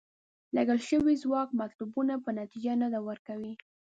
لګول شوی ځواک مطلوبه نتیجه نه ده ورکړې.